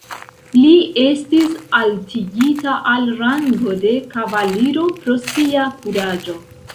Li estis altigita al rango de kavaliro pro sia kuraĝo.